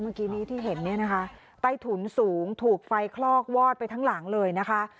เมื่อกี้นี้ที่เห็นเนี่ยนะคะใต้ถุนสูงถูกไฟคลอกวอดไปทั้งหลังเลยนะคะ